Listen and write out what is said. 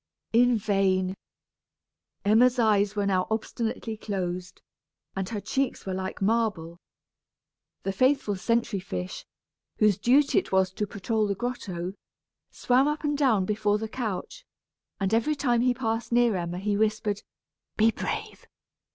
In vain! Emma's eyes were now obstinately closed, and her cheeks were like marble. The faithful sentry fish, whose duty it was to patrol the grotto, swam up and down before the couch, and every time he passed near Emma he whispered, "Be brave.